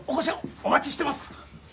お待ちしてます。